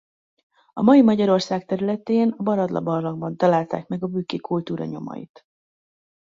A mai Magyarország területén a Baradla-barlangban találták meg a bükki kultúra nyomait.